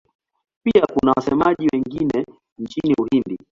Pia kuna wasemaji wengine nchini Uhindi.